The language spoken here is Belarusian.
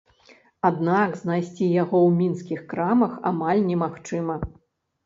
Аднак знайсці яго ў мінскіх крамах амаль не магчыма.